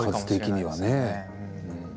数的にはね。